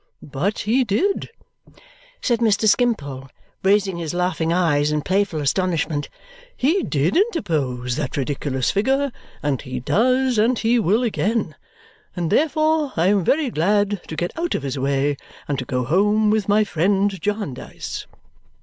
But he did," said Mr. Skimpole, raising his laughing eyes in playful astonishment; "he did interpose that ridiculous figure, and he does, and he will again. And therefore I am very glad to get out of his way and to go home with my friend Jarndyce."